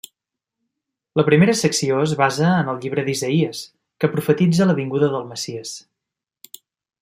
La primera secció es basa en el Llibre d'Isaïes, que profetitza la vinguda del Messies.